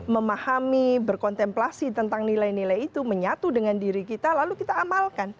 memahami berkontemplasi tentang nilai nilai itu menyatu dengan diri kita lalu kita amalkan